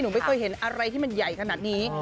ไม่เคยเห็นอะไรที่มันใหญ่ขนาดนี้